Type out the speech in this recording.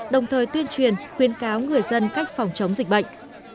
đồng thời tuyên truyền khuyên cáo người dân cách phòng chống dịch bệnh